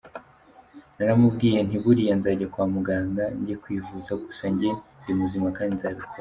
Naramubwiye nti ‘buriya nzajya kwa muganga njye kwivuza’, gusa njye ndi muzima kandi nzabikora.